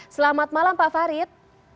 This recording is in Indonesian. selamat malam pak farid